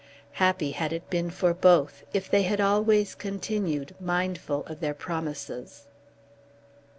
Happy had it been for both if they had always continued mindful of their promises.